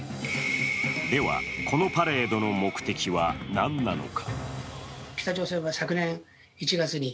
では、このパレードの目的は何なのか。